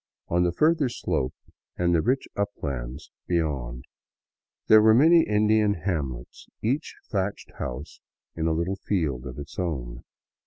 On the further slope and the rich uplands be yond there were many Indian hamlets, each thatched house in a little field of its own.